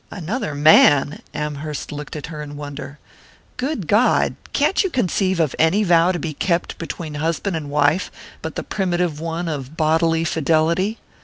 "Another man?" Amherst looked at her in wonder. "Good God! Can't you conceive of any vow to be kept between husband and wife but the primitive one of bodily fidelity?